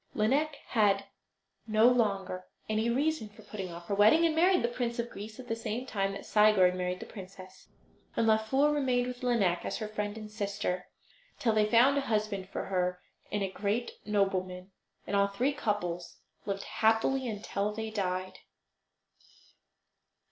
Lineik had no longer any reason for putting off her wedding, and married the Prince of Greece at the same time that Sigurd married the princess. And Laufer remained with Lineik as her friend and sister, till they found a husband for her in a great nobleman; and all three couples lived happily until they died.